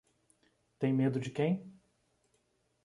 Tem medo de quem?